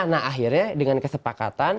nah akhirnya dengan kesepakatan